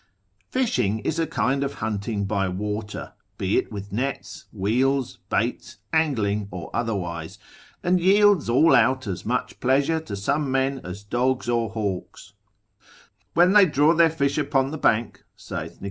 Fishing is a kind of hunting by water, be it with nets, weels, baits, angling, or otherwise, and yields all out as much pleasure to some men as dogs or hawks; When they draw their fish upon the bank, saith Nic.